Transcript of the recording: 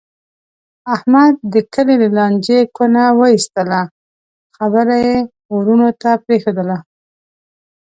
احمد د کلي له لانجې کونه و ایستله. خبره یې ورڼو ته پرېښودله.